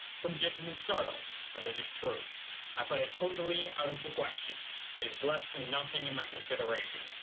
Some gentlemen startle but it is true; I put it totally out of the question. It is less than nothing in my consideration.